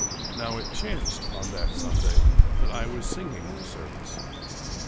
Now it chanced on that Sunday that I was singing the service.